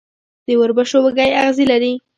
د وربشو وږی اغزي لري.